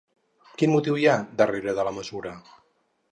Quin motiu hi ha darrere de la mesura?